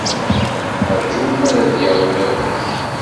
Ṛju mi ara d-yaweḍ baba-k.